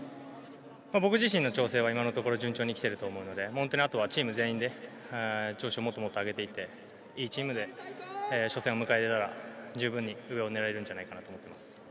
僕自身の調整は今のところ順調に来ていると思うのであとはチーム全員で調子をもっともっと上げていっていいチームで初戦を迎えられたら十分に上を狙えるんじゃないかと思っています。